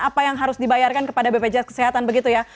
apa yang harus dibayarkan kepada bpjs kesehatan begitu ya